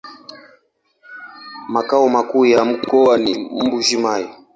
Makao makuu ya mkoa ni Mbuji-Mayi.